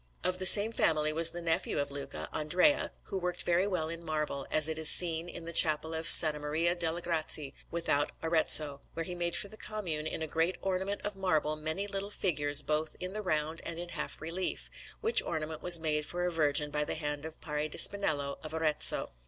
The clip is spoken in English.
Of the same family was the nephew of Luca, Andrea, who worked very well in marble, as it is seen in the Chapel of S. Maria delle Grazie, without Arezzo, where he made for the Commune, in a great ornament of marble, many little figures both in the round and in half relief; which ornament was made for a Virgin by the hand of Parri di Spinello of Arezzo.